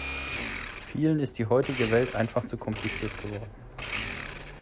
Vielen ist die heutige Welt einfach zu kompliziert geworden.